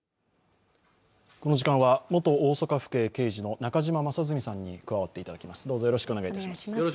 この時間は元大阪府警刑事の中島正純さんに加わっていただきます。